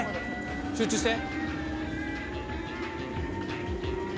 集中して。